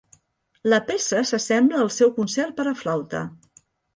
La peça s'assembla al seu concert per a flauta.